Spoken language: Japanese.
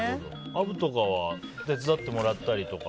アブとかは手伝ってもらったりとか？